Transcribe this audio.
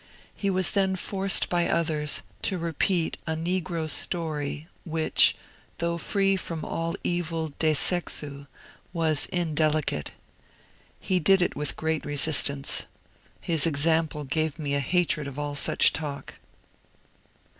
He was then forced by others to repeat a negro story which, though free from all evil de sexu, was indelicate. He did it with great resistance. His example gave me a hatred of all such talk.'